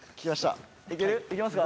いけますか？